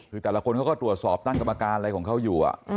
คือแต่ละคนเขาก็ตรวจสอบตั้งกรรมการอะไรของเขาอยู่